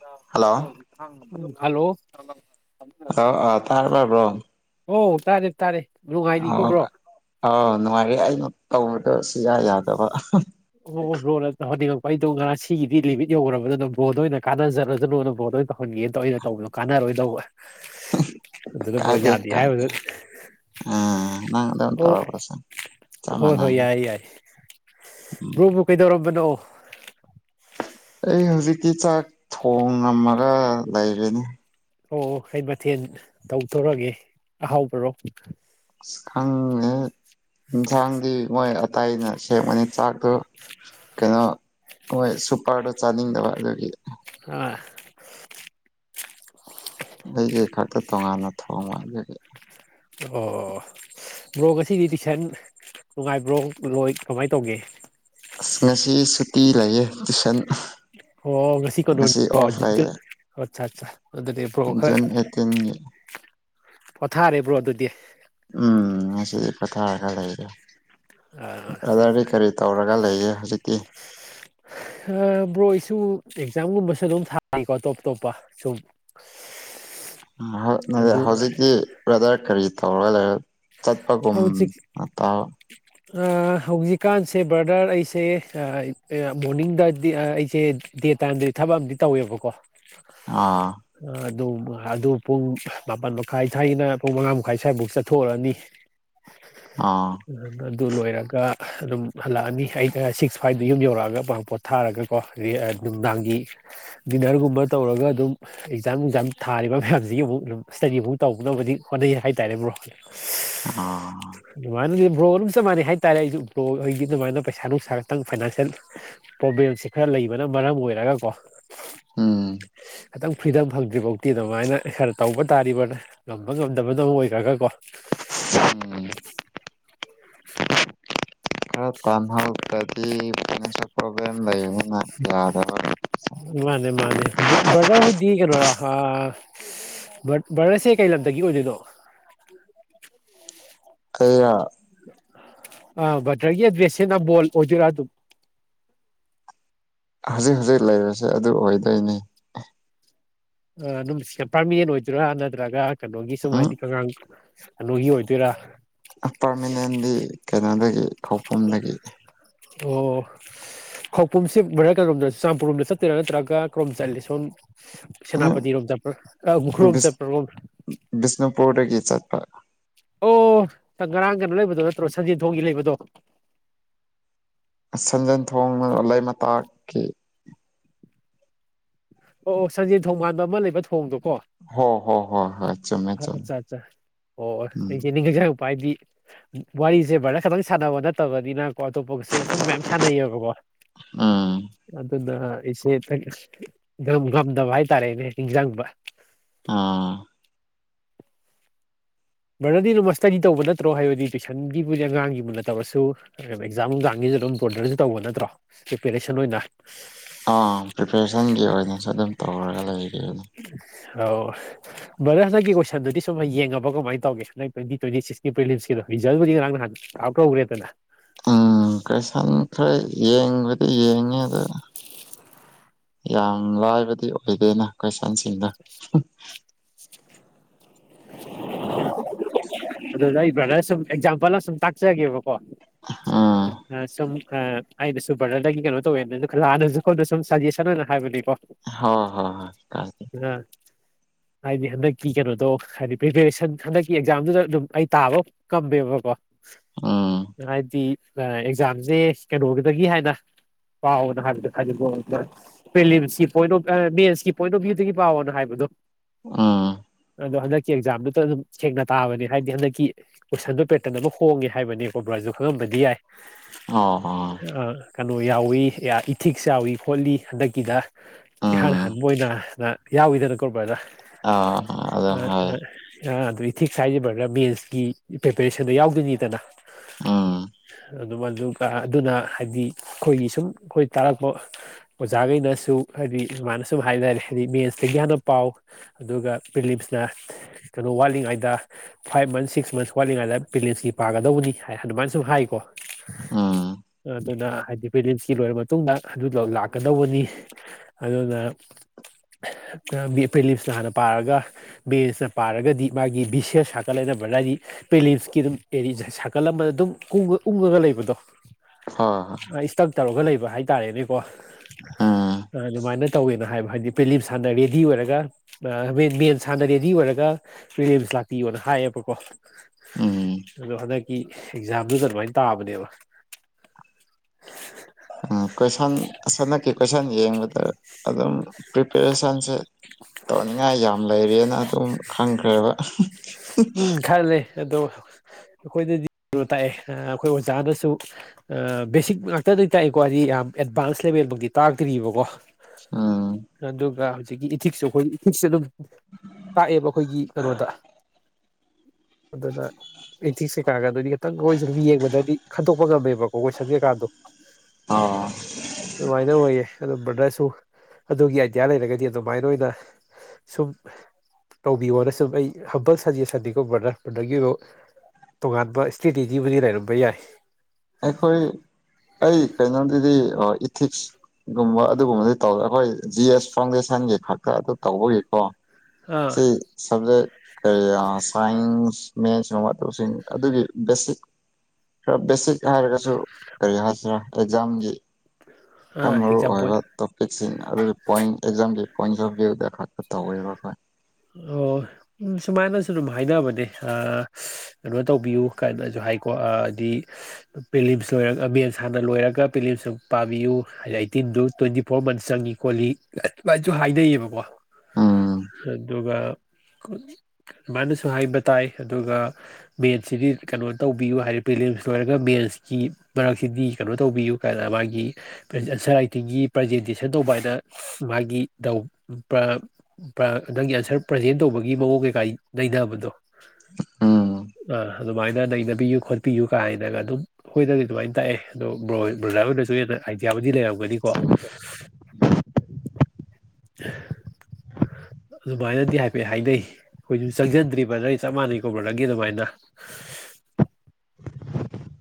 ꯗ hello ꯍꯧꯖꯤꯛ ꯈꯥꯡ hello ꯑꯥꯎ ꯑꯥ ꯇꯥꯔ ꯂꯕ꯭ꯔꯣ ꯑꯣ ꯇꯥꯔꯦ ꯇꯥꯔꯦ ꯑ ꯅꯨꯡꯉꯥꯏꯔꯤꯀꯣ ꯕ꯭ꯔꯣ ꯑꯥꯎ ꯅꯅꯨꯡꯉꯔ ꯍꯥꯏ ꯃ ꯀ ꯌꯥ ꯌꯥꯗꯕ ꯑꯣ ꯕꯣꯣꯟꯗ ꯇꯧꯍꯟꯅꯤꯡꯉꯛꯄ ꯑꯩꯗꯣ ꯉꯔꯥꯡ ꯁꯤꯒꯤꯗꯤ ꯂꯤꯃꯤꯠ ꯌꯧꯈ꯭ꯔꯕꯅꯤꯅ ꯕ꯭ꯔꯣꯟꯗ ꯑꯣꯏꯅ ꯀꯥꯟꯅꯖꯔꯗꯅꯣꯅ ꯕꯣꯟꯗ ꯑꯣꯏꯅ ꯇꯧꯍꯟꯒꯦꯅꯗꯣ ꯑꯩꯅ ꯇꯧꯕꯗꯣ ꯀꯥꯟꯅꯔꯣꯏꯗꯧꯕ ꯑꯗꯨꯅ ꯕꯣ ꯀꯥꯏꯗꯦ ꯌꯥꯗꯦ ꯀꯥꯏꯗꯦ ꯍꯥꯏꯕꯗ ꯑ ꯅꯪꯗ ꯑꯣ ꯇꯧꯔꯔꯄꯁ ꯍꯣꯏ ꯆꯃꯅ ꯍꯣꯏ ꯌꯥꯏ ꯌꯥꯏ ꯎꯝ ꯕ꯭ꯔꯣꯕꯨ ꯀꯩꯗꯧꯔꯝꯕꯅꯣ ꯑꯩ ꯍꯧꯖꯤꯛꯇꯤ ꯆꯥꯛ ꯊꯣꯡꯉꯝꯃꯒ ꯂꯩꯔꯅꯤ ꯑꯣ ꯑꯩ ꯃꯊꯦꯜ ꯇꯧꯊꯣꯔꯒꯦ ꯑꯍꯥꯎꯕꯔꯣ ꯈꯪꯅꯤ ꯌꯦꯟꯁꯥꯡꯗꯤ ꯃꯣꯏ ꯑꯇꯇꯩ ꯑꯅ ꯁꯦꯝꯕꯅꯤ ꯆꯥꯛꯇꯣ ꯀꯩꯅꯣ ꯃꯣꯏ ꯁꯨꯄꯔꯗꯣ ꯆꯥꯅꯤꯡꯗꯕ ꯑꯗꯨꯒꯤ ꯑ ꯑꯩꯒꯤ ꯈꯛꯇ ꯇꯣꯉꯥꯟꯅ ꯊꯣꯡꯕ ꯑꯗꯨꯒꯤ ꯑꯣ ꯕ꯭ꯔꯣꯛ ꯉꯁꯤꯗꯤ ꯇꯨꯏꯁꯟ ꯅꯨꯡꯉꯥꯏꯕ꯭ꯔꯣ ꯂꯣꯏ ꯀꯃꯥꯏꯅ ꯇꯧꯒꯦ ꯑꯁ ꯉꯁꯤ ꯁꯨꯇꯤ ꯂꯩꯌꯦ ꯇꯨꯏꯁꯟ ꯑꯣ ꯉꯁꯤ ꯀꯩꯅꯣꯅꯤ ꯑꯣꯐ ꯂꯩꯌꯦ ꯑꯠꯆꯥ ꯑꯠ ꯑꯗꯨꯗꯤ ꯄꯕ꯭ꯔꯣ ꯈꯔ ꯖꯨꯟ ꯑꯩꯠꯇꯤꯟꯒꯤ ꯄꯣꯊꯥꯔꯤꯕ꯭ꯔꯣ ꯑꯗꯨꯗꯤ ꯎꯝ ꯉ ꯁꯤꯗꯤ ꯄꯊ ꯈ ꯂꯩꯗ ꯑꯗꯥꯅꯤ ꯈꯔꯤ ꯇꯧꯔ ꯂꯩꯏ ꯑ ꯕ꯭ꯔꯣ ꯏꯁꯨ ꯑꯦꯛꯖꯥꯝꯒꯨꯝꯕꯁꯨ ꯑꯗꯨꯝ ꯊꯥꯔꯤꯀꯣ ꯇꯣꯞ ꯇꯣꯞꯄ ꯁꯨꯝ ꯑꯗꯨ ꯍꯧꯖꯤꯛꯇꯤ ꯕ꯭ꯔꯗꯔ ꯀꯔꯤ ꯇꯧꯔꯒ ꯂꯩꯔ ꯆꯠꯄꯒꯨꯝ ꯍꯧꯖꯤꯛ ꯑꯠꯇ ꯍꯧꯖꯤꯛꯀꯥꯟꯁꯦ ꯕ꯭ꯔꯗꯔ ꯑꯩꯁꯦ ꯃꯣꯔꯅꯤꯡꯗ ꯑꯩꯁꯦ ꯗꯦ ꯇꯥꯏꯝꯗꯗꯤ ꯊꯕꯛ ꯑꯝ ꯇꯧꯋꯦꯕꯀꯣ ꯑꯥ ꯑꯗꯨ ꯑꯗꯨ ꯄꯨꯡ ꯃꯥꯄꯜ ꯃꯈꯥꯏ ꯁ꯭ꯋꯥꯏꯒꯤꯅ ꯄꯨꯡ ꯃꯉꯥ ꯃꯈꯥꯏ ꯁ꯭ꯋꯥꯏꯐꯥꯎ ꯆꯠ ꯊꯑꯅꯤ ꯑꯥ ꯑꯗꯨ ꯂꯣꯏꯔꯒ ꯑꯗꯨꯝ ꯍꯜꯂꯛꯑꯅꯤ ꯑꯩꯅ ꯁꯤꯛꯁ ꯐꯥꯏꯚꯗ ꯌꯨꯝ ꯌꯧꯔꯛꯑꯒ ꯄꯄꯥꯄꯣꯠ ꯊꯥꯔꯒꯀꯣ ꯑ ꯅꯨꯡꯗꯥꯡꯒꯤ ꯗꯤꯟꯅꯔꯒꯨꯝꯕ ꯇꯧꯔꯒ ꯑꯗꯨꯝ ꯑꯦꯛꯖꯥꯝ ꯅꯨꯡꯖꯥꯝ ꯊꯥꯔꯤꯕ ꯃꯌꯥꯝꯁꯤꯒꯤ ꯑꯃꯨꯛ ꯑꯗꯨꯝ ꯏꯁ꯭ꯇꯗꯤ ꯑꯃꯨꯛ ꯇꯧꯅꯕꯗꯤ ꯍꯣꯠꯅꯩ ꯍꯥꯏꯇꯥꯔꯦ ꯭ꯔꯣ ꯑ ꯕ꯭ꯔꯣ ꯑꯗꯨꯝ ꯆꯞ ꯃꯥꯟꯅꯩ ꯍꯥꯏꯇꯥꯔꯦ ꯑꯩꯁꯨ ꯕ꯭ꯔꯣ ꯑꯩꯣꯏꯒꯤ ꯑꯗꯨꯃꯥꯏꯅ ꯄꯩꯁꯥ ꯅꯨꯡꯁꯥ ꯈꯛꯇꯪ ꯐꯥꯏꯅꯥꯟꯁꯤꯌꯦꯜ ꯄ꯭ꯔꯣꯕ꯭ꯂꯦꯝꯁꯦ ꯈꯔ ꯂꯩꯕꯅ ꯃꯔꯝ ꯑꯣꯏꯔꯒꯀꯣ ꯎꯝ ꯈꯤꯇꯪ ꯐ꯭ꯔꯤꯗꯝ ꯐꯪꯗ꯭ꯔꯤꯐꯥꯎꯇꯤ ꯑꯗꯨꯃꯥꯏꯅ ꯈꯔ ꯇꯧꯕ ꯇꯥꯔꯤꯕꯅ ꯉꯝꯕ ꯉꯝꯗꯕꯅ ꯑꯣꯏꯈ꯭ꯔꯒꯀꯣ ꯎꯝ [unintelligible] ꯈꯔ ꯄꯥꯥꯟ ꯍꯜ ꯏ ꯄꯣꯕꯂꯦꯝ ꯂꯩꯏ ꯋꯥꯕꯥꯕꯕꯥ ꯃꯥꯅꯦ ꯃꯥꯅꯦ ꯕꯗꯥ ꯍꯣꯏꯗꯤꯒꯅꯣꯔ ꯚꯠ ꯚꯥꯔꯠꯁꯦ ꯀꯩ ꯂꯝꯗꯒꯤ ꯑꯣꯏꯗꯣꯏꯅꯣ꯫ ꯑꯩꯔ [inaudible] ꯑꯥ ꯕꯗ꯭ꯔꯒꯤ ꯑꯦꯗ꯭ꯔꯦꯁꯦ ꯅꯝꯕꯣꯜ ꯑꯣꯏꯗꯣꯏꯔ ꯑꯗꯨꯝ꯫ ꯍꯧꯖꯤꯛ ꯍꯧꯖꯤꯛ ꯂꯩꯔꯤꯁꯦ ꯑꯗꯨ ꯑꯣꯏꯗꯣꯏꯅꯤ꯫ ꯑ ꯗꯨꯝ ꯁꯤꯗ ꯄ꯭ꯔꯃꯤꯅꯦꯟ ꯑꯣꯏꯗꯣꯏꯔ ꯅꯠꯇ꯭ꯔꯒ꯫ ꯀꯩꯅꯣꯒꯤ ꯁꯨꯝ ꯎꯝ ꯍꯥꯏꯗꯤ ꯑꯉꯥꯡ꯫ ꯑꯅꯨꯒꯤ ꯑꯣꯏꯗꯣꯏꯔꯥ꯫ ꯄꯔꯃꯤꯅꯦꯟꯗꯤ꯫ ꯀꯩꯅꯣꯗꯒꯤ ꯈꯧꯄꯨꯝꯗꯒꯤ꯫ ꯑꯣ ꯈꯧꯄꯨꯝꯝꯁꯤ ꯕ꯭ꯔꯗꯔ ꯀꯩꯗꯣꯝꯗ ꯆꯨꯔꯆꯥꯟꯄꯨꯔꯔꯣꯝꯗ ꯆꯠꯇꯣꯏꯔ ꯅꯠꯇ꯭ꯔꯒ ꯀ꯭ꯔꯣꯝ ꯆꯂꯤ ꯁꯣꯝ꯫ ꯎꯝ ꯁꯦꯅꯥꯄꯇꯤ ꯔꯣꯝ ꯆꯠꯄ꯭ꯔ ꯑꯥ ꯎꯈ꯭ꯔꯨꯜ ꯔꯣꯝ ꯕꯤꯁ ꯆꯠꯄ꯭ꯔꯣ꯫ ꯕꯤꯁꯅꯨꯄꯨꯔꯗꯒꯤ ꯆꯠꯄ ꯑꯣ ꯉꯔꯥꯡ ꯀꯩꯅꯣ ꯂꯩꯕꯗꯣ ꯅꯠꯇ꯭ꯔꯣ ꯁꯟꯖꯦꯟ ꯊꯣꯡꯒꯤ ꯂꯩꯕꯗꯣ꯫ ꯁꯟꯖꯦꯟ ꯊꯣꯡꯅ ꯂꯩꯃꯇꯥꯛꯀꯤ꯫ ꯑꯣ ꯑꯣ ꯁꯟꯖꯦꯟ ꯊꯣꯡ ꯃꯥꯟꯕ ꯑꯃ ꯂꯩꯕ ꯊꯣꯡꯗꯣꯀꯣ ꯍꯣ ꯍꯣ ꯍꯣꯏ ꯍꯣꯏ ꯆꯨꯝꯃꯦ ꯆꯨꯝꯃꯦ ꯑꯠꯆꯥ ꯑꯠꯆꯥ ꯎꯝ ꯑꯩꯗꯤ꯫ [unintelligible] ꯍꯥꯏꯗꯤ ꯋꯥꯔꯤꯁꯦ ꯕ꯭ꯔꯗꯔ ꯈꯛꯇꯪ ꯁꯥꯟꯅꯕ ꯅꯠꯇꯕꯅꯤꯅ꯫ ꯑꯇꯣꯞꯄꯒꯁꯨ ꯁꯨꯝ ꯃꯌꯥꯝ ꯁꯥꯟꯅꯩꯌꯦꯕꯀꯣ꯫ ꯎꯝ ꯑꯗꯨꯅ ꯑꯩꯁꯦ ꯇꯪ ꯒꯝ ꯒꯝꯗꯕ ꯍꯥꯏꯇꯥꯔꯦꯅꯦ ꯅꯤꯡꯖꯪꯕ꯫ ꯑꯥ꯫ ꯕ꯭ꯔꯗꯔꯗꯤ ꯑꯗꯨꯝꯃ ꯏꯁ꯭ꯇꯗꯤ ꯇꯧꯕ ꯅꯠꯇ꯭ꯔꯣ ꯍꯥꯏꯕꯗꯤ ꯇꯨꯏꯁꯟꯒꯤꯕꯨꯗꯤ ꯑꯉꯥꯡꯒꯤ ꯃꯨꯟꯅ ꯇꯧꯔꯁꯨ ꯑꯦꯛꯖꯥꯝ ꯅꯨꯡꯖꯥꯝꯒꯤꯁꯨ ꯑꯗꯨꯝ ꯕ꯭ꯔꯗꯔꯁꯨ ꯇꯧꯕ ꯅꯠꯇ꯭ꯔꯣ ꯄ꯭ꯔꯤꯄꯦꯔꯦꯁꯟ ꯑꯣꯏꯅ꯫ ꯑꯥ ꯄ꯭ꯔꯤꯄꯦꯔꯦꯁꯟꯒꯤ ꯑꯣꯏꯅꯁꯨ ꯑꯗꯨꯝ ꯇꯧꯔꯒ ꯂꯩꯔꯤꯅ꯫ ꯑꯧ ꯕ꯭ꯔꯗꯔ ꯍꯟꯗꯛꯀꯤ ꯀꯣꯏꯁꯟꯗꯨꯗꯤ ꯁꯨꯝ ꯌꯦꯡꯉꯕ ꯀꯃꯥꯏ ꯇꯧꯒꯦ ꯅꯣꯏ ꯇꯣꯏꯟꯇꯤ ꯇꯣꯏꯟꯇꯤꯁꯤꯛꯁꯀꯤ ꯄ꯭ꯔꯤꯂꯤꯝꯁꯀꯤꯗꯣ ꯔꯤꯖꯜꯕꯨꯗꯤ ꯅꯍꯥꯟ ꯑꯥꯎꯠ ꯇꯧꯈ꯭ꯔꯦꯗꯅ꯫ ꯎꯝ ꯀꯣꯏꯁꯟ ꯈꯔ ꯌꯦꯡꯕꯗꯤ ꯌꯦꯡꯉꯤ ꯑꯗꯨ ꯌꯥꯝ ꯂꯥꯏꯕꯗꯤ ꯑꯣꯏꯗꯦꯅ ꯀꯣꯏꯁꯟꯁꯤꯡꯗꯣ꯫ ꯑꯗꯨꯗ ꯑꯩ ꯕ꯭ꯔꯗꯔ ꯁꯨꯝ ꯑꯦꯛꯖꯥꯝꯄꯜ ꯑꯃ ꯁꯨꯝ ꯇꯥꯛꯆꯒꯦꯕꯀꯣ꯫ ꯎꯝ ꯑꯥ ꯁꯨꯝ ꯑꯥ꯫ ꯑꯩꯩꯅꯁꯨ ꯕ꯭ꯔꯗꯔꯗꯒꯤ ꯀꯩꯅꯣ ꯇꯧꯋꯦꯅ ꯑꯗꯨ ꯂꯥꯟꯅꯁꯨ ꯑꯩꯈꯣꯟꯗ ꯁꯨꯝ ꯁꯖꯦꯁꯟ ꯑꯣꯏꯅ ꯍꯥꯏꯕꯅꯦ꯫ ꯍꯣ ꯍꯣꯏ ꯍꯣꯏ ꯀꯥꯏꯗꯦ꯫ ꯍꯥꯏꯗꯤ ꯍꯟꯗꯛ ꯀꯤ ꯀꯩꯅꯣꯗꯣ ꯍꯥꯏꯗꯤ꯫ ꯄ꯭ꯔꯤꯄꯦꯔꯦꯁꯟ ꯍꯟꯗꯛꯀꯤ ꯑꯦꯛꯖꯥꯝꯒꯤꯗꯨ ꯑꯗꯨꯝ ꯑꯩ ꯇꯥꯕ ꯀꯝꯃꯦꯕꯀꯣ꯫ ꯎꯝ ꯍꯥꯏꯗꯤ꯫ ꯑꯦꯛꯖꯥꯝꯁꯦ ꯀꯩꯅꯣꯒꯤꯗꯒꯤ ꯍꯥꯏꯅ ꯄꯥꯎꯅ ꯍꯥꯏꯕꯗꯣ [unintelligible] ꯄ‍꯭ꯔꯤꯂꯤꯝꯁꯀꯤ ꯄꯣꯏꯟ ꯑꯣꯐ ꯑ ꯃꯦꯟꯁꯀꯤ ꯄꯣꯏꯟ ꯑꯣꯐ ꯚ꯭ꯌꯨꯗꯒꯤ ꯄꯥꯎꯅ ꯍꯥꯏꯕꯗꯣ꯫ ꯎꯝ꯫ ꯑꯗꯨ ꯍꯟꯗꯛ꯫ ꯑꯦꯛꯖꯥꯝꯗꯨꯗ ꯑꯗꯨꯝ ꯁꯦꯡꯅ ꯇꯥꯕꯅꯦ ꯍꯥꯏꯗꯤ ꯍꯟꯗꯛꯀꯤ ꯀꯣꯏꯁꯟꯗꯣ ꯄꯦꯇꯔꯟ ꯑꯃ ꯍꯣꯡꯉꯦ ꯍꯥꯏꯕꯅꯦꯀꯣ ꯕ꯭ꯔꯁꯨ ꯈꯪꯉꯝꯕꯗꯤ ꯌꯥꯏ꯫ ꯑꯣ ꯑꯥ꯫ ꯀꯩꯅꯣ ꯌꯥꯎꯏ ꯑꯦ ꯌꯥ ꯏꯊꯤꯛꯁ ꯌꯥꯎꯏ ꯈꯣꯠꯂꯤ ꯍꯟꯗꯛꯀꯤꯗ꯫ ꯏꯍꯥꯟ ꯎꯝ ꯍꯥꯟꯕ ꯑꯣꯏꯅ꯫ ꯅ ꯌꯥꯎꯋꯤꯗꯅꯀꫭ ꯕ꯭ꯔꯗꯔ ꯑ ꯑ ꯍ ꯑ ꯑꯗꯨ ꯏꯊꯤꯛꯁ ꯍꯥꯏꯖꯕꯅ ꯃꯦꯟꯁꯀꯤ ꯄ꯭ꯔꯤꯄꯦꯔꯦꯁꯟꯗꯣ ꯌꯥꯎꯗꯣꯏꯅꯤꯗꯅ ꯑꯥ ꯑꯗꯨ ꯑꯗꯨꯒ ꯑꯗꯨꯅ ꯍꯥꯏꯗꯤ ꯑꯩꯈꯣꯏꯒꯤ ꯁꯨꯝ ꯑꯩꯈꯣꯏ ꯇꯥꯔꯛꯄ ꯑꯣꯖꯥꯈꯩꯅꯁꯨ ꯍꯥꯏꯗꯤ ꯁꯨꯃꯥꯏꯅ ꯁꯨꯝ ꯍꯥꯏꯇꯥꯔꯦ ꯍꯥꯏꯗꯤ ꯃꯦꯟꯁꯇꯒꯤ ꯍꯥꯟꯅ ꯄꯥꯎ ꯑꯗꯨꯒ ꯄꯤꯂꯤꯝꯁꯅ ꯀꯩꯅꯣ ꯋꯥꯠꯂꯤꯉꯩꯗ ꯐꯥꯏꯚ ꯃꯟꯁ ꯁꯤꯛꯁ ꯃꯟꯁ ꯋꯥꯠꯂꯤꯉꯩꯗ ꯄꯦꯂꯦꯟꯁꯀꯤ ꯄꯥꯒꯗꯧꯕꯅꯤ ꯑꯗꯨꯃꯥꯏꯅ ꯁꯨꯝ ꯍꯥꯏꯀꯣ ꯑꯥ ꯑꯗꯨꯅ ꯍꯥꯏꯗꯤ ꯐꯦꯂꯤꯞꯁꯀꯤ ꯂꯣꯏꯔꯕ ꯃꯇꯨꯡꯗ ꯑꯗꯨꯗꯣ ꯂꯥꯛꯀꯗꯧꯕꯅꯤ ꯑꯗꯨꯅ ꯐꯦꯂꯤꯞꯁꯅ ꯍꯥꯟꯅ ꯄꯥꯔꯒ ꯕꯦꯟꯁꯅ ꯄꯥꯔꯒꯗꯤ ꯃꯥꯒꯤ ꯕꯤꯁꯦꯁ ꯁꯥꯀꯜ ꯂꯩꯅꯕ ꯍꯥꯏꯗꯤ ꯄꯦꯂꯤꯞꯁꯀꯤ ꯑꯗꯨꯝ ꯑꯦꯗꯤ ꯁꯥꯀꯜ ꯑꯃꯗ ꯑꯗꯨꯝ ꯀꯨꯡꯉ ꯎꯡꯉꯒ ꯂꯩꯕꯗꯣ ꯍꯥ ꯏꯁꯇꯛ ꯇꯧꯔꯒ ꯂꯩꯕ ꯍꯥꯏꯇꯥꯔꯦꯅꯦꯀꯣ ꯎꯝ ꯑꯗꯨꯃꯥꯏꯅ ꯇꯧꯋꯦꯅ ꯍꯥꯏꯕ ꯍꯥꯏꯗꯤ ꯄꯦꯂꯤꯝꯁ ꯍꯥꯟꯅ ꯔꯦꯗꯤ ꯑꯣꯏꯔꯒ ꯁꯥꯟꯅꯔꯦꯗꯤ ꯑꯣꯏꯔꯒ ꯄꯦꯔꯦꯟꯁ ꯂꯥꯛꯄꯤꯌꯣꯅ ꯍꯥꯏꯌꯦꯕꯀꯣ ꯎꯝ ꯑꯗꯣ ꯍꯟꯗꯛꯀꯤ ꯑꯦꯛꯖꯥꯝꯗꯨꯗ ꯑꯗꯨꯃꯥꯏꯅ ꯇꯥꯕꯅꯦꯕ ꯎꯝ ꯀꯣꯏꯁꯟ ꯑꯁꯅꯛꯀꯤ ꯀꯣꯏꯁꯟ ꯌꯦꯡꯕꯗ ꯑꯗꯨꯝ ꯄ꯭ꯔꯤꯄꯦꯔꯦꯁꯟꯁꯦ ꯇꯧꯅꯤꯡꯉꯥꯏ ꯌꯥꯝ ꯂꯩꯔꯤꯑꯅ ꯑꯗꯨꯝ ꯈꯪꯈ꯭ꯔꯦꯕ ꯎꯝ ꯈꯥꯏ ꯂꯩ ꯑꯗꯣ ꯑꯩꯈꯣꯏꯗꯗꯤ ꯀꯩꯅꯣ ꯇꯥꯛꯑꯦ ꯑꯩꯈꯣꯏ ꯑꯣꯖꯥꯅꯁꯨ ꯕꯦꯁꯤꯛ ꯉꯥꯛꯇꯗꯒꯤ ꯇꯥꯛꯏꯦꯀꯣ ꯍꯥꯏꯗꯤ ꯌꯥꯝ ꯑꯦꯗꯚꯥꯟꯁ ꯂꯦꯕꯦꯜꯃꯛꯇꯤ ꯇꯥꯛꯇ꯭ꯔꯤꯕꯀꯣ ꯎꯝ ꯑꯗꯨꯗꯨꯒ ꯁꯤꯒꯤ ꯏꯊꯤꯁ ꯑꯩꯈꯣꯏ ꯏꯊꯤꯛꯁꯦ ꯑꯗꯨꯝ ꯇꯥꯛꯑꯦꯕ ꯑꯩꯈꯣꯏꯒꯤ ꯀꯩꯅꯣꯗ ꯑꯗꯨꯅ ꯑꯦꯊꯤꯡ ꯀꯩꯀꯥꯒ ꯑꯗꯨꯗꯤ ꯈꯤꯇꯪ ꯑꯩꯣꯏ ꯁꯨꯝ ꯌꯦꯡꯕꯗꯗꯤ ꯈꯟꯗꯣꯛꯄ ꯉꯝꯃꯦꯕꯀꯣ ꯀꯣꯏꯁꯟꯒꯦꯀꯥꯟꯗꯣ ꯑꯣ ꯋꯥꯏꯗ ꯑꯣꯏꯏꯌꯦ ꯑ ꯭ꯔ ꯑꯗꯨ ꯑꯗꯨꯒꯤ ꯑꯥꯏꯗꯤꯌꯥ ꯂꯩꯔꯒꯗꯤ ꯑꯗꯨꯃꯥꯏꯅ ꯑꯣꯏꯅ ꯁꯨꯝ ꯇꯧꯕꯤꯌꯣꯅ ꯁꯨꯝ ꯑꯩ ꯍ ꯁꯖꯦ ꯁꯟꯗꯤꯀꯣ ꯕ꯭ꯔꯗꯔ ꯕ꯭ꯔꯗꯔꯒꯤꯕꯨ ꯇꯣꯉꯥꯟꯕ ꯏꯁꯇ꯭ꯔꯦꯇꯦꯖꯤꯕꯨꯗꯤ ꯂꯩꯔꯝꯕ ꯌꯥꯏ ꯑꯩꯈꯣꯏ ꯑꯩ ꯀꯩꯅꯣꯗꯨꯗꯤ ꯏꯊꯤꯛꯁꯒꯨꯝꯕ ꯑꯗꯨꯒꯨꯝꯕꯗꯤ ꯇꯧꯋꯦ ꯑꯩꯈꯣꯏ ꯖꯤ ꯑꯦꯁ ꯐꯥꯎꯟꯗꯦꯁꯟꯒꯤ ꯈꯛꯇ ꯑꯗꯨ ꯇꯧꯕꯒꯤꯀꯣ ꯑꯥ ꯁꯤ ꯁꯕꯖꯦꯛ ꯀ ꯁꯥꯏꯟꯁ ꯃꯦꯟꯁ ꯃꯥꯧꯁꯤꯡ ꯑꯗꯨꯒꯤ ꯕꯦꯁꯤꯛ ꯈꯔ ꯕꯦꯁꯤꯛ ꯍꯥꯏꯔꯒꯁꯨ ꯀꯔꯤ ꯍꯥꯏꯁꯤꯔꯥ ꯖꯝꯒꯦ ꯌꯥꯝ ꯑꯥ ꯃꯔꯨ ꯑꯦꯛꯖꯥꯝꯄꯜ ꯑꯣꯏꯕ ꯇꯣꯄꯤꯛꯁꯤꯡ ꯑꯗꯨꯗꯤ ꯄꯣꯏ ꯑꯦꯛꯖꯥꯝꯒꯤ ꯀꯣꯏꯁꯨꯣꯕꯤꯗ ꯈꯠꯄ ꯇꯧꯋꯦꯕꯈꯣꯏ ꯑꯣ ꯎ ꯁꯨꯃꯥꯏꯅꯁꯨ ꯑꯗꯨꯝ ꯍꯥꯏꯅꯕꯅꯦ ꯀꯩꯅꯣ ꯇꯧꯕꯤꯌꯨ ꯀꯅꯁꯨ ꯍꯥꯏꯀꯣ ꯍꯥꯏꯗꯤ ꯄꯦꯂꯤꯝꯁ ꯂꯣꯏꯔꯒ ꯃꯦꯟꯁ ꯍꯥꯟꯅ ꯂꯣꯏꯔꯒ ꯄꯦꯂꯤꯝꯁꯁꯨ ꯄꯥꯕꯤꯌꯨ ꯍꯥꯏꯗꯤ ꯑꯩꯇꯤꯟꯗꯨ ꯇ꯭ꯋꯦꯟꯇꯤ ꯐꯣꯔ ꯃꯟꯁ ꯆꯪꯉꯤ ꯈꯣꯠꯂꯤ ꯑꯗꯨꯃꯥꯏꯁꯨ ꯍꯥꯏꯅꯩꯌꯦꯕꯀꯣ ꯎꯝ ꯑꯗꯨꯒ ꯑꯗꯨꯃꯥꯏꯅꯁꯨ ꯍꯥꯏꯕ ꯇꯥꯏ ꯑꯗꯨꯒ ꯃꯦꯟꯁꯁꯤꯗꯤ ꯀꯩꯅꯣ ꯇꯧꯕꯤꯌꯨ ꯍꯥꯏꯗꯤ ꯄꯦꯂꯤꯂꯦꯝꯁ ꯂꯣꯏꯔꯒ ꯃꯦꯟꯁꯀꯤ ꯃꯔꯛꯁꯤꯗꯤ ꯀꯩꯅꯣ ꯇꯧꯕꯤꯌꯨ ꯀꯥꯏꯅ ꯃꯥꯒꯤ ꯑꯟꯁꯔ ꯔꯥꯏꯇꯤꯡꯒꯤ ꯄ꯭ꯔꯖꯦꯟꯇꯦꯁꯟ ꯇꯧꯕ ꯍꯥꯏꯅ ꯃꯥꯒꯤ ꯅꯪꯒꯤ ꯑꯟꯁꯔ ꯄ꯭ꯔꯖꯦꯟ ꯇꯧꯕꯒꯤ ꯃꯑꯣꯡ ꯀꯩꯀꯥꯏ ꯅꯩꯅꯕꯗꯣ ꯑꯝ ꯑꯗꯨꯃꯥꯏꯅ ꯅꯩꯅꯕꯤꯌꯨ ꯈꯣꯠꯄꯤꯌꯨ ꯀꯥꯅꯒ ꯑꯗꯨꯝ ꯑꯩꯈꯣꯏꯗꯗꯤ ꯑꯗꯨꯃꯥꯏꯅ ꯇꯥꯛꯑꯦ ꯑꯗꯣ ꯕ꯭ꯔꯣꯖꯥꯔ ꯑꯣꯏꯅꯁꯨ ꯍꯦꯟꯅ ꯑꯥꯏꯗꯤꯌꯥꯕꯨ ꯂꯩꯔꯝꯕ ꯒꯅꯤꯀꯣ [unintelligible] ꯑꯗꯨꯃꯥꯏꯅꯗꯤ ꯍꯥꯏꯐꯦꯠ ꯍꯥꯏꯅꯩ ꯑꯩꯈꯣꯏꯁꯨ ꯆꯪꯁꯤꯟꯗ꯭ꯔꯤꯕ ꯅ ꯑꯩ ꯆꯞ ꯃꯥꯟꯅꯩ ꯀꯧꯔꯛꯂꯒꯦ ꯑꯗꯨꯃꯥꯏꯅ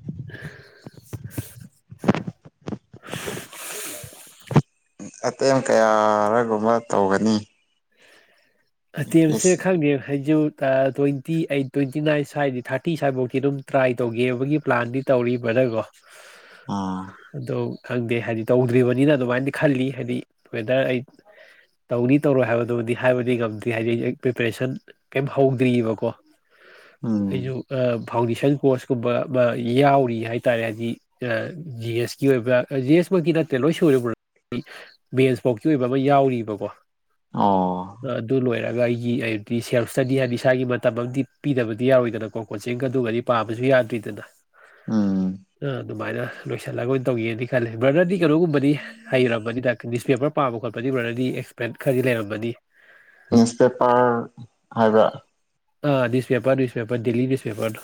[unintelligible] ꯑꯇꯦꯝ ꯀꯌꯥꯔꯒꯨꯝꯕ ꯇꯧꯒꯅꯤ ꯄꯤ ꯑꯇꯦꯝꯁꯦ ꯑꯦꯁ ꯁꯤ ꯈꯪꯗꯦ ꯍꯥꯏꯖ ꯇ꯭ꯋꯦꯟꯇꯤ ꯑꯩꯠ ꯇ꯭ꯋꯦꯟꯇꯤ ꯅꯥꯏꯟ ꯁ꯭ꯋꯥꯏꯗꯤ ꯊꯥꯔꯇꯤ ꯁ꯭ꯋꯥꯏꯐꯥꯎꯤ ꯑꯗꯨꯝ ꯇ꯭ꯔꯥꯏ ꯇꯧꯒꯦꯕꯒꯤ ꯄ꯭ꯂꯥꯟꯗꯤ ꯇꯧꯔꯤꯕ꯭ꯔꯀꯣ ꯑꯥ ꯑꯗꯣ ꯈꯪꯗꯦ ꯍꯥꯏꯗꯤ ꯇꯧꯗ꯭ꯔꯤꯕꯅꯤꯅ ꯑꯗꯨꯃꯥꯏꯅꯗꯤ ꯈꯜꯂꯤ ꯍꯥꯏꯗꯤ ꯋꯦꯗꯔ ꯑꯩ ꯇꯧꯅꯤ ꯇꯧꯔꯣꯏ ꯍꯥꯏꯕꯗꯨꯕꯨꯗꯤ ꯍꯥꯏꯕꯗꯤ ꯉꯝꯗꯦ ꯍꯥꯏꯗꯤ ꯑꯩ ꯄ꯭ꯔꯤꯄꯦꯔꯦꯁꯟ ꯀꯩ ꯍꯧꯗ꯭ꯔꯤꯑꯕꯀꯣ ꯎꯝ ꯑꯩꯁꯨꯨ ꯑ ꯐꯥꯎꯟꯗꯦꯁꯟ ꯀꯣꯔꯁ ꯀꯨꯝꯕ ꯑꯃ ꯌꯥꯎꯔꯤ ꯍꯥꯏꯇꯥꯔꯦ ꯍꯥꯏꯗꯤ ꯖꯤ ꯑꯦꯁꯀꯤ ꯑꯣꯏꯕ ꯖꯤ ꯑꯦꯁ ꯃꯀꯤ ꯅꯠꯇꯦ ꯂꯣꯏ ꯁꯣꯏꯔꯕ ꯃꯦꯟꯁꯐꯣꯛꯀꯤ ꯑꯣꯏꯕ ꯑꯃ ꯌꯥꯎꯔꯤꯕꯀꯣ ꯑꯣ ꯑꯣꯏꯣꯏꯔꯒ ꯑꯩꯒꯤ ꯍꯥꯏꯗꯤ ꯁꯦꯜ ꯏꯁꯇꯗꯤ ꯍꯥꯏꯗꯤ ꯏꯁꯥꯒꯤ ꯃꯇꯝ ꯑꯃꯗꯤ ꯄꯤꯗꯕꯗꯤ ꯌꯥꯎꯔꯣꯏꯗꯅꯀꯣ ꯀꯣꯆꯤꯡꯒ ꯑꯗꯨꯒꯒꯗꯤ ꯄꯥꯕꯁꯨ ꯌꯥꯗ꯭ꯔꯤꯗꯅ ꯎꯝ ꯎꯝ ꯑꯗꯨꯃꯥꯏꯅ ꯂꯣꯏꯁꯤꯜꯂꯒ ꯑꯣꯏꯅ ꯇꯧꯒꯦꯅ ꯈꯜꯂꯦ ꯕꯔꯅꯔꯗꯤ ꯀꯩꯅꯣꯒꯨꯝꯕꯗꯤ ꯍꯩꯔꯝꯕꯅꯤꯗ ꯅ꯭ꯌꯨꯁꯄꯦꯄꯔ ꯄꯥꯝꯕ ꯈꯣꯠꯄꯗꯤ ꯕꯔꯅꯔꯗꯤ ꯑꯦꯛꯁꯄ꯭ꯔꯦꯟꯠ ꯈꯔꯗꯤ ꯂꯩꯔꯃꯅꯤ ꯅ꯭ꯌꯨꯁꯄꯦꯄꯔ ꯍꯥꯏꯕ꯭ꯔꯥ ꯑꯥ ꯅ꯭ꯨꯁꯄꯦꯄꯔ ꯅ꯭ꯁꯄꯦꯔ ꯗꯦꯂꯤ ꯅ꯭ꯨꯁꯄꯦꯄꯔ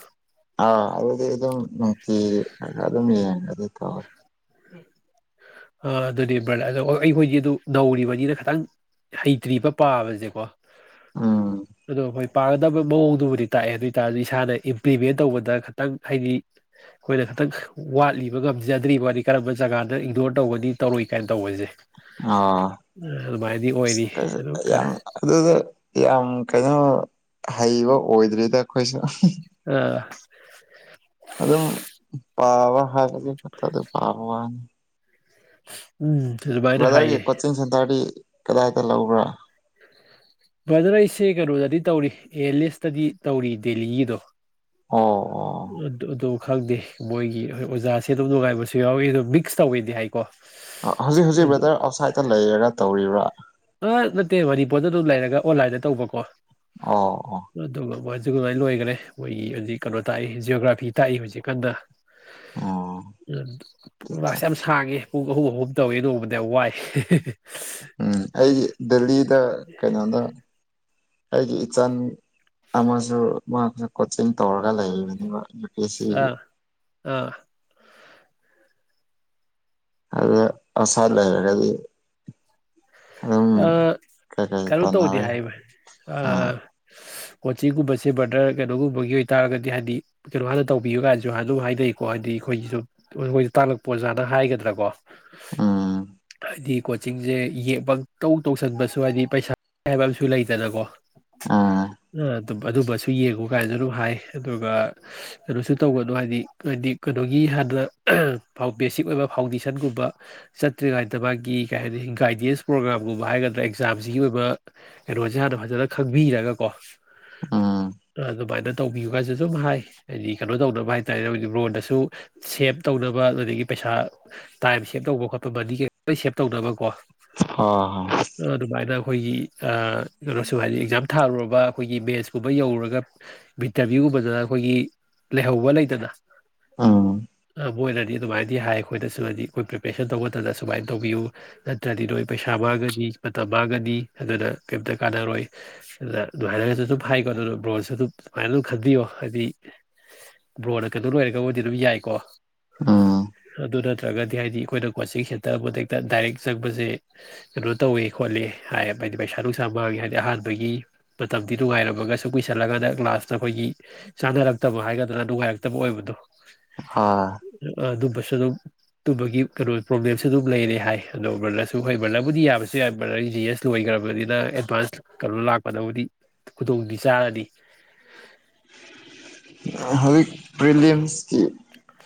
ꯑ ꯑꯗꯨꯗꯤ ꯑꯗꯨꯝꯛꯇ ꯑꯗꯨꯝ ꯊ ꯑ ꯑꯗꯨꯅꯦ ꯕ꯭ꯔꯂ ꯑꯗꯣ ꯑꯩꯈꯣꯏꯗꯤ ꯑꯗꯨ ꯅꯧꯔꯤꯕꯅꯤꯅ ꯈꯤꯇꯪ ꯍꯩꯇ꯭ꯔꯤꯕ ꯄꯥꯕꯁꯦꯀꯣ ꯎꯝ ꯑꯗꯣ ꯍꯣꯏ ꯄꯥꯒꯗꯕ ꯃꯑꯣꯡꯗꯨꯕꯨꯗꯤ ꯇꯥꯛꯑꯦ ꯑꯗꯨ ꯑꯣꯏꯇꯥꯥꯔꯗꯤ ꯏꯁꯥꯅ ꯏꯝꯄ꯭ꯂꯤꯃꯦꯟ ꯇꯧꯕꯗ ꯈꯤꯇꯪ ꯍꯥꯏꯗꯤ ꯑꯩꯈꯣꯏꯅ ꯈꯤꯇꯪ ꯋꯥꯠꯂꯤꯕ ꯉꯝꯖꯗ꯭ꯔꯤꯕ ꯀꯔꯝꯕ ꯖꯒꯥꯗ ꯏꯒꯗꯣꯔ ꯇꯧꯒꯅꯤ ꯇꯧꯔꯣꯏ ꯀꯥꯏꯅ ꯇꯧꯕꯁꯦ ꯑ ꯑꯗꯨꯃꯥꯏꯅꯗꯤ ꯑꯣꯏꯔꯤ ꯑꯗꯨ ꯈꯔ ꯌꯥꯝ ꯑꯗꯨꯗ ꯌꯥꯝ ꯀꯩꯅꯣ ꯍꯩꯕ ꯑꯣꯏꯗ꯭ꯔꯤꯗ ꯑꯩꯈꯣꯏꯁꯨ ꯑꯥ ꯑꯗꯨꯝ ꯄꯥꯕ ꯍꯥꯏꯔꯗꯤꯠꯇ ꯑꯗꯨ ꯄꯥꯅꯤ [inaudible] ꯑꯗꯨꯃꯥꯏꯅ ꯭ꯔꯗꯔꯒꯤ ꯍꯥꯏꯌꯦ ꯀꯆꯤꯟꯁꯤꯟ ꯇꯗꯤ ꯀꯗꯥꯏꯗ ꯂꯧꯕ꯭ꯔꯥ ꯕ꯭ꯔꯗꯔ ꯑꯩꯁꯦ ꯀꯩꯅꯣꯗꯗꯤ ꯇꯧꯔꯤ ꯑꯦ ꯂꯤꯁꯇꯗꯤ ꯇꯧꯔꯤ ꯗꯦꯜꯂꯤꯒꯤꯗꯣ ꯑꯣ ꯑꯗꯨ ꯑꯗꯨ ꯑꯗꯨ ꯑꯗꯨꯣ ꯈꯪꯗꯦ ꯃꯣꯏꯒꯤ ꯍꯣꯏ ꯑꯣꯖꯥꯁꯦ ꯑꯗꯨꯝ ꯅꯨꯡꯉꯥꯏꯕꯁꯨ ꯌꯥꯎꯋꯤ ꯑꯗꯨꯝ ꯃꯤꯛꯁ ꯇꯧꯋꯤꯗꯤ ꯍꯥꯏꯦ ꯍꯧꯖꯤꯛ ꯍꯧꯖꯤꯛ ꯕꯦꯗꯔ ꯑꯥꯎꯠꯁꯥꯏꯗꯠꯇ ꯂꯩꯔꯒ ꯇꯧꯔꯤꯕ꯭ꯔꯥ ꯑ ꯅꯠꯇꯦ ꯃꯅꯤꯄꯨꯔꯗ ꯑꯗꯨꯝ ꯂꯩꯔꯒ ꯑꯣꯟꯂꯥꯏꯟꯗ ꯇꯧꯕꯀꯣ ꯑꯣ ꯑꯣ ꯑꯗꯨꯒ ꯋꯥ ꯑꯗꯨꯃꯥꯏꯅ ꯂꯣꯏꯈꯔꯦ ꯃꯣꯏꯒꯤ ꯍꯧꯖꯤꯛ ꯀꯩꯅꯣ ꯇꯥꯛꯏ ꯖꯤꯑꯣꯣꯒ꯭ꯔꯥꯐꯤ ꯇꯥꯛꯏ ꯍꯧꯖꯤꯛꯀꯥꯟꯗ ꯑꯣ ꯎꯝ ꯑꯠꯆꯥ ꯄꯨꯥꯁꯦ ꯌꯥꯝ ꯁꯥꯡꯉꯦ ꯄꯨꯡ ꯑꯍꯨꯝ ꯑꯍꯨꯝ ꯇꯧꯏꯤ ꯅꯣꯡꯃꯗ ꯌꯥꯝ ꯋꯥꯏ ꯎꯝ ꯑꯩ ꯗꯦꯜꯂꯤꯗ ꯀꯩꯅꯣꯗ ꯑꯩꯒꯤ ꯏꯆꯟ ꯑꯃꯁꯨ ꯃꯥꯁꯨ ꯀꯣꯆꯤꯡ ꯇꯧꯔꯒ ꯂꯩꯔꯤꯅꯦꯕ ꯑꯥ ꯑꯥ ꯑꯗ ꯑꯁꯥꯂꯗꯤ ꯑ ꯀꯩꯅꯣ ꯇꯧꯗꯦ ꯍꯥꯏꯕ ꯑꯥ ꯑ ꯀꯣꯆꯤꯡꯒꯨꯝꯕꯁꯦ ꯕ꯭ꯔꯗꯔ ꯀꯩꯅꯣꯒꯨꯝꯕꯒꯤ ꯑꯣꯏꯇꯥꯔꯒꯗꯤ ꯍꯥꯏꯗꯤ ꯀꯩꯅꯣ ꯍꯥꯟꯅ ꯇꯧꯕꯤꯌꯨ ꯀꯥꯟꯗꯁꯨ ꯑꯗꯨꯝ ꯍꯥꯏꯅꯩꯀꯣ ꯍꯥꯏꯗꯤ ꯑꯩꯈꯣꯏꯒꯤꯁꯨ ꯃꯣꯏꯗ ꯇꯥꯛꯂꯛꯄ ꯑꯣꯖꯥꯅ ꯍꯥꯏꯒꯗ꯭ꯔꯥꯀꯣ ꯎꯝ ꯍꯥꯏꯗꯤ ꯀꯣꯆꯤꯡꯁꯦ ꯌꯦꯛꯄ ꯇꯧ ꯇꯧꯁꯟꯕꯁꯨ ꯍꯥꯏꯗꯤ ꯄꯩꯁꯥ ꯍꯥꯏꯕ ꯑꯃꯁꯨ ꯂꯩꯗꯅꯀꯣ ꯑꯥ ꯑ ꯑꯗꯨꯝ ꯑꯗꯨꯝꯕꯁꯨ ꯌꯦꯡꯉꯨ ꯀꯥꯏꯅꯁꯨ ꯑꯗꯨꯝ ꯍꯥꯏ ꯑꯗꯨꯒ ꯀꯩꯅꯣꯁꯨ ꯇꯧꯒꯅꯨ ꯍꯥꯏꯗꯤ ꯍꯥꯏꯗꯤ ꯀꯩꯅꯣꯒꯤ ꯍꯥꯟꯅ ꯕꯦꯁꯤꯛ ꯑꯣꯏꯕ ꯐꯥꯎꯟꯗꯦꯁꯟꯒꯨꯝꯕ ꯆꯠꯇ꯭ꯔꯤ ꯉꯥꯏꯗ ꯃꯥꯒꯤ ꯀꯩ ꯍꯥꯏꯅꯤ ꯒꯥꯏꯗꯦꯟꯁ ꯄ꯭ꯔꯣꯒ꯭ꯔꯥꯝ ꯑꯗꯨꯒꯨꯝꯕ ꯍꯥꯏꯒꯗ꯭ꯔꯥ ꯑꯦꯛꯖꯥꯝꯁꯤꯒꯤ ꯑꯣꯏꯕ ꯀꯩꯅꯣꯁꯦ ꯍꯥꯟꯅ ꯐꯖꯅ ꯈꯪꯕꯤꯔꯒꯀꯣ ꯎꯝ ꯑꯗꯨꯃꯥꯏꯅ ꯇꯧꯕꯤꯌꯨꯒꯣꯏꯁꯨ ꯑꯗꯨꯝ ꯍꯥꯏ ꯍꯥꯏꯗꯤ ꯀꯩꯅꯣ ꯇꯧꯅꯕ ꯍꯥꯏ ꯇꯥꯔꯦ ꯑꯩ ꯔꯣꯟꯗꯁꯨ ꯁꯦꯞ ꯇꯧꯅꯕ ꯑꯗꯨꯗꯒꯤ ꯄꯩꯁꯥ ꯇꯥꯏꯝ ꯁꯦꯞ ꯇꯧꯕ ꯈꯣꯠꯄ ꯃꯅꯤ ꯀꯩ ꯁꯦꯞ ꯇꯧꯅꯕ ꯀꯣ ꯍ ꯍ ꯑꯩꯈꯣꯏꯒꯤ ꯀꯩꯅꯣꯁꯨ ꯍꯥꯏꯗꯤ ꯑꯦꯛꯖꯥꯝ ꯊꯥꯔꯨꯔꯕ ꯑꯩꯈꯣꯏꯒꯤ ꯃꯦꯟꯁ ꯀꯨꯝꯕ ꯌꯧꯔꯨꯔꯒ ꯏꯟꯇꯔꯚꯤꯌꯨꯒꯨꯝꯕꯗꯅ ꯑꯩꯈꯣꯏꯒꯤ ꯂꯩꯍꯧꯕ ꯂꯩꯇꯅ ꯎꯝ ꯃꯣꯏꯅꯗꯤ ꯑꯗꯨꯃꯥꯏꯅꯗꯤ ꯍꯥꯏ ꯑꯩꯈꯣꯏꯗꯁꯨ ꯍꯥꯏꯗꯤ ꯑꯩꯈꯣꯏ ꯄ꯭ꯔꯤꯄꯦꯔꯦꯁꯟ ꯇꯧꯕ ꯃꯇꯝꯅ ꯁꯨꯃꯥꯏꯅ ꯇꯧꯕꯤꯌꯨ ꯅꯠꯇ꯭ꯔꯗꯤ ꯅꯣꯏ ꯄꯩꯁꯥ ꯁꯥ ꯃꯥꯡꯒꯅꯤ ꯃꯇꯝ ꯃꯥꯡꯒꯅꯤ ꯑꯗꯨꯅ ꯀꯔꯤꯝꯇ ꯀꯥꯟꯅꯔꯣꯏ ꯑꯗꯨ ꯅꯨꯡꯉꯥꯏꯔꯒꯁꯨ ꯑꯗꯨꯝ ꯍꯥꯏꯀꯣ ꯑꯗꯨꯅ ꯕ꯭ꯔꯣꯅꯁꯨ ꯑꯗꯨꯝ ꯁꯨꯃꯥꯏꯅ ꯑꯗꯨꯝ ꯈꯟꯕꯤꯌꯣ ꯍꯥꯏꯗꯤ ꯕ꯭ꯔꯣꯅ ꯀꯩꯅꯣ ꯂꯣꯏꯔꯒꯕꯨꯣꯏꯗꯤ ꯑꯗꯨꯝ ꯌꯥꯏꯀꯣ ꯎꯝ ꯑꯗꯨ ꯅꯠꯇ꯭ꯔꯒꯗꯤ ꯍꯥꯏꯗꯤ ꯑꯩꯈꯣꯏꯅ ꯀꯣꯆꯤꯡ ꯁꯦꯟꯇꯔ ꯑꯃꯗ ꯍꯦꯛꯇ ꯗꯥꯏꯔꯦꯛ ꯆꯪꯕꯁꯦ ꯀꯩꯅꯣ ꯇꯧꯋꯦ ꯈꯣꯠꯂꯤ ꯍꯥꯏ ꯍꯥꯏꯗꯤ ꯄꯩꯁꯥ ꯅꯨꯡꯁꯥ ꯃꯥꯡꯉꯦ ꯍꯥꯏꯗꯤ ꯑꯍꯥꯟꯕꯒꯤ ꯃꯇꯝꯗꯤ ꯅꯨꯡꯉꯥꯏꯔꯝꯃꯒ ꯁꯨꯝ ꯀꯨꯏꯁꯜꯂꯀꯥꯟꯗ ꯂꯥꯁꯇ ꯑꯩꯈꯣꯏꯒꯤ ꯆꯥꯟꯅꯔꯛꯇꯕ ꯍꯥꯏꯒꯗ꯭ꯔ ꯅꯨꯡꯉꯥꯏꯔꯛꯇꯕ ꯑꯣꯏꯕꯗꯣ ꯍꯣꯏ ꯑ ꯑꯗꯨ ꯄꯩꯁꯥ ꯁꯨ ꯑꯗꯨꯝ ꯇꯨꯕꯒꯤ ꯀꯩꯅꯣ ꯄ꯭ꯔꯣꯕ꯭ꯂꯦꯝꯁꯨ ꯑꯗꯨꯝ ꯂꯩꯔꯦ ꯍꯥꯏ ꯑꯗꯣ ꯕ꯭ꯔꯗꯔ ꯍꯣꯏ ꯕ꯭ꯔꯗꯔꯕꯨꯗꯤ ꯌꯥꯕꯁꯨ ꯌꯥꯏ ꯕꯔꯗꯔꯒꯤ ꯖꯤ ꯑꯦꯁ ꯂꯣꯏꯈ꯭ꯔꯕꯅꯤꯅ ꯑꯦꯗꯚꯥꯟꯁ ꯀꯩꯅꯣ ꯂꯥꯛꯄꯗꯕꯨꯗꯤ ꯈꯨꯗꯣꯡꯇꯤ ꯆꯥꯔꯅꯤ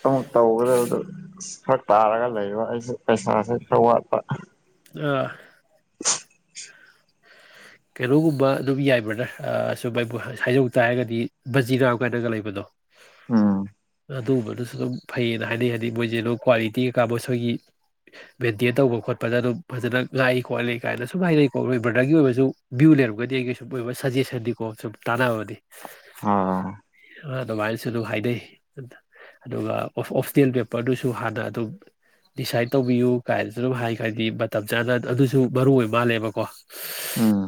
ꯑꯗꯨ ꯇꯧꯒꯗꯕꯗ ꯐꯔꯛ ꯇꯥꯔꯒ ꯂꯩꯕ ꯑꯩꯁꯦ ꯄꯩꯁꯥꯁꯦ ꯈꯔ ꯋꯥꯠꯄ ꯑ [inaudible] ꯀꯩꯅꯣꯒꯨꯝꯕ ꯑꯗꯨꯝ ꯌꯥꯏ ꯕ꯭ꯔꯗꯔ ꯁꯨꯝ ꯑꯩꯕꯨ ꯍꯥꯏꯖꯧ ꯇꯥꯔꯒꯗꯤ ꯕꯖꯤꯅꯥꯝ ꯀꯥꯏꯅꯒ ꯂꯩꯕꯗꯣ ꯑꯝ ꯑꯗꯨꯒꯨꯝꯕꯗꯨꯁꯨ ꯑꯗꯨꯝ ꯐꯩꯌꯦꯅ ꯍꯥꯏꯅꯩ ꯍꯥꯏꯗꯤ ꯃꯣꯏꯁꯦ ꯑꯗꯨꯝ ꯀ꯭ꯋꯥꯂꯤꯇꯤ ꯀꯩꯀꯥ ꯃꯁꯣꯏꯒꯤ ꯃꯦꯟꯇꯦꯟ ꯇꯧꯕ ꯈꯣꯠꯄꯗ ꯑꯗꯨꯝ ꯐꯖꯅ ꯉꯥꯛꯏ ꯈꯣꯠꯂꯤ ꯀꯥꯏꯅ ꯁꯨꯝ ꯍꯥꯏꯅꯩꯀꯣ ꯍꯣꯏ ꯕ꯭ꯔꯗꯔꯒꯤ ꯑꯣꯏꯕꯁꯨ ꯚ꯭ꯌꯨ ꯂꯩꯔꯝꯒꯗꯤ ꯑꯩꯒꯤ ꯁꯨꯝ ꯑꯣꯏꯕ ꯁꯖꯦꯁꯟꯗꯤꯀꯣ ꯁꯨꯝ ꯇꯥꯟꯅꯅꯕꯅꯤ ꯑ ꯑꯗꯨꯃꯥꯏꯅꯁꯨ ꯑꯗꯨꯝ ꯍꯥꯏꯅꯩ ꯑꯗꯨꯒ ꯑꯣꯐꯇꯦꯜ ꯄꯦꯄꯔꯗꯨꯁꯨ ꯍꯥꯟꯅ ꯑꯗꯨꯝ ꯗꯤꯁꯥꯏꯠ ꯇꯧꯕꯤꯌꯨ ꯀꯥꯏꯅꯁꯨ ꯑꯗꯨꯝ ꯍꯥꯏ ꯍꯥꯏꯗꯤ ꯃꯇꯝ ꯆꯥꯅ ꯑꯗꯨꯁꯨ ꯃꯔꯨ ꯑꯣꯏ ꯃꯥꯜꯂꯦꯕꯀꯣ ꯎꯝ